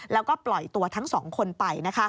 แล้วก็ปล่อยตัวทั้งสองคนไป